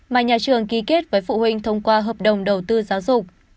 mà nhà trường ký kết với phụ huynh thông qua hợp đồng đầu tư giáo dục